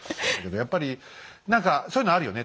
やっぱり何かそういうのあるよね。